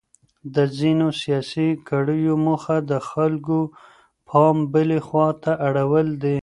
د ځینو سیاسي کړیو موخه د خلکو پام بلې خواته اړول دي.